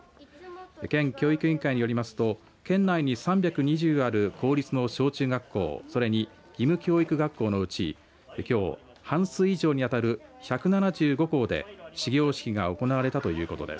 県教育委員会によりますと県内に３２０ある公立の小中学校それに義務教育学校のうちきょう半数以上に当たる１７５校で始業式が行われたということです。